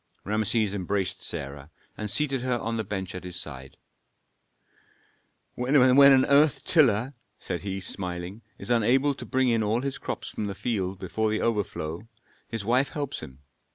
Rameses embraced Sarah, and seated her on the bench at his side. "When an earth tiller," said he, smiling, "is unable to bring in all his crops from the field before the overflow, his wife helps him.